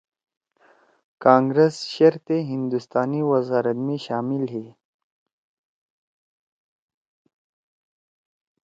کانگرس شیرتے ہندوستانی وزارت می شامل ہی